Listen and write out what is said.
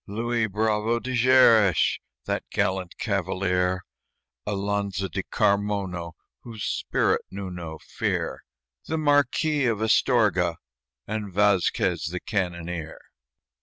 Luis Bravo de Xeres, That gallant cavalier; Alonzo de Carmono, Whose spirit knew no fear; The marquis of Astorga, and Vasquez, the cannoneer.